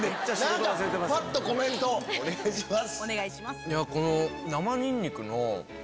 ぱっとコメントお願いします。